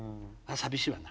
寂しいわな。